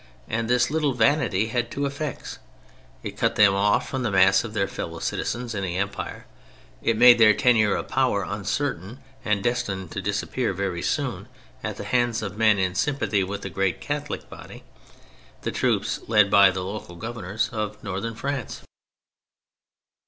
And this little vanity had two effects. It cut them off from the mass of their fellow citizens in the Empire. It made their tenure of power uncertain and destined to disappear very soon at the hands of men in sympathy with the great Catholic body—the troops led by the local governors of Northern France.